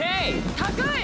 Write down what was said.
高い！